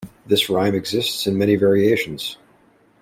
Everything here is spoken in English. This rhyme exists in many variations.